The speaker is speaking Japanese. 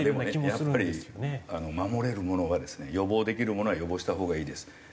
でもねやっぱり守れるものはですね予防できるものは予防したほうがいいです。